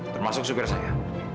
termasuk supir saya